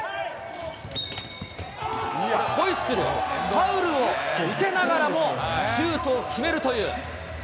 ホイッスル、ファウルを受けながらもシュートを決めるという。